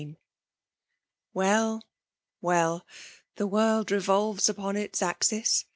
Well— well — ^the vorld nTolves upon its axis.